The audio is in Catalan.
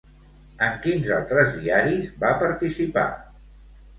En quins altres diaris va participar?